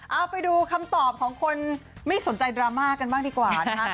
เอาไปดูคำตอบของคนไม่สนใจดราม่ากันบ้างดีกว่านะคะ